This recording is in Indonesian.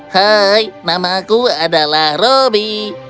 hai nama aku adalah robby